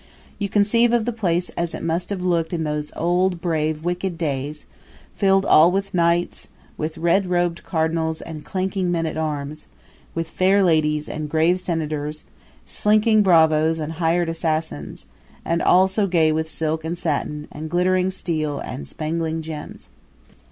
You conceive of the place as it must have looked in those old, brave, wicked days, filled all with knights, with red robed cardinals and clanking men at arms, with fair ladies and grave senators, slinking bravos and hired assassins and all so gay with silk and satin and glittering steel and spangling gems.